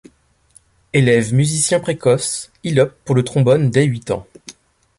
Élève musicien précoce, il opte pour le trombone dès huit ans.